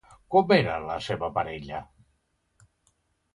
Com era la seva parella?